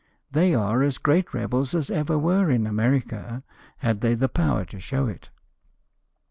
They are as great rebels as ever were in America, had they the power to show it."